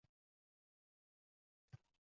O‘zbekiston va Germaniya maslahatlashuvi bo‘lib o‘tdi